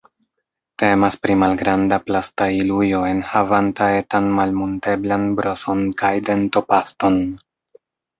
Temas pri malgranda plasta ilujo enhavanta etan malmunteblan broson kaj dentopaston.